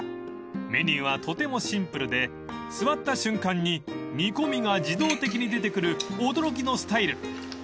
［メニューはとてもシンプルで座った瞬間に煮込みが自動的に出てくる驚きのスタイル］